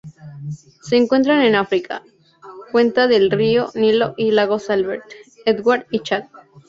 Se encuentran en África: cuenca del río Nilo y lagos Albert, Edward y Chad.